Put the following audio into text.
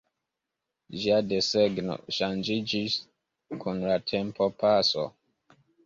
Ĝia desegno ŝanĝiĝis kun la tempopaso.